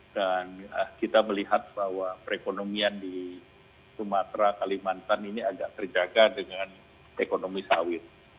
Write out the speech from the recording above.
dan kita melihat bahwa perekonomian di sumatera kalimantan ini agak terjaga dengan ekonomi sawit